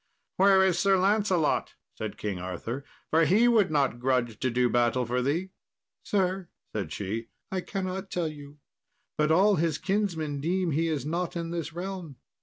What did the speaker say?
"Where is Sir Lancelot?" said King Arthur, "for he would not grudge to do battle for thee." "Sir," said she, "I cannot tell you, but all his kinsmen deem he is not in this realm."